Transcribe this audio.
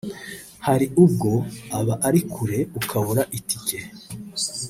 hari ubwo aba ari kure ukabura itike